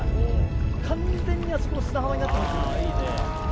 完全にあそこ砂浜になってますよ。